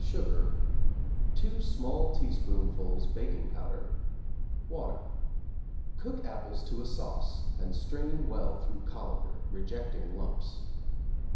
sugar, 2 small teaspoonfuls baking powder, water. Cook apples to a sauce and strain well through colander, rejecting lumps.